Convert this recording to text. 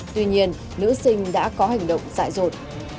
tuy nhiên nữ sinh đã có hành động dại dội